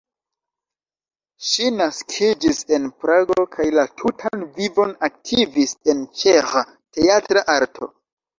Ŝi naskiĝis en Prago kaj la tutan vivon aktivis en ĉeĥa teatra arto.